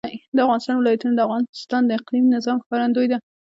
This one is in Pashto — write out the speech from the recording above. د افغانستان ولايتونه د افغانستان د اقلیمي نظام ښکارندوی ده.